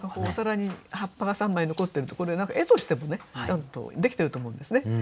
お皿に葉っぱが３枚残ってるってこれ絵としてもねちゃんとできてると思うんですね。